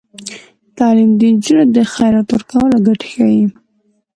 تعلیم نجونو ته د خیرات ورکولو ګټې ښيي.